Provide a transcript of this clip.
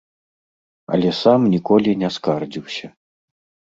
Але сам ніколі не скардзіўся.